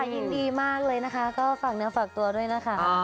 ใช่ค่ะยิ่งดีมากเลยฝากตัวด้วยละค่ะ